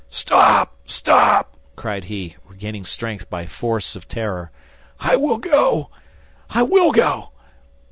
"Stop, stop!" cried he, regaining strength by force of terror. "I will go—I will go!"